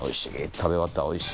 食べ終わったら「おいＣ」。